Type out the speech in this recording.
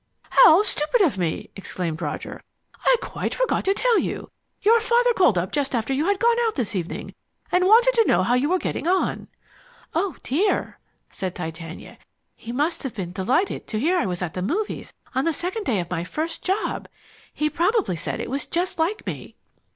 "How stupid of me!" exclaimed Roger. "I quite forgot to tell you! Your father called up just after you had gone out this evening, and wanted to know how you were getting on." "Oh, dear," said Titania. "He must have been delighted to hear I was at the movies, on the second day of my first job! He probably said it was just like me."